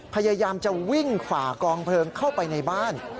พยายามจะวิ่งฝ่ากองเพลิงเข้าไปในบ้าน